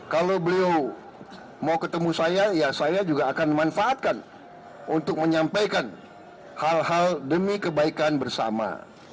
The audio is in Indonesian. kalau beliau mau ketemu saya ya saya juga akan memanfaatkan untuk menyampaikan hal hal demi kebaikan bersama